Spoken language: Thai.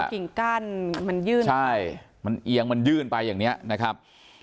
กิ่งกั้นมันยื่นใช่มันเอียงมันยื่นไปอย่างนี้นะครับ